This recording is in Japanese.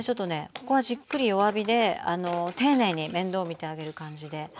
ここはじっくり弱火で丁寧に面倒見てあげる感じで。